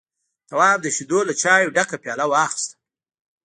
تواب د شيدو له چايو ډکه پياله واخيسته.